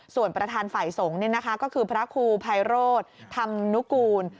ส่วนประธานฝ่ายสงฆ์ก็คือพระครูภัยโรธธรรมนุกูล